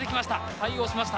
対応しました。